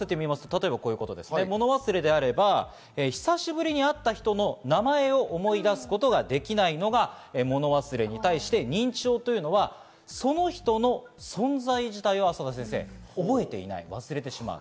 もの忘れであれば、人で言うと名前を思い出すことができないのがもの忘れに対して認知症というのは、その人の存在自体を覚えていない、忘れてしまう。